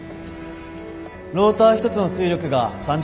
ローター１つの推力が３０キロです。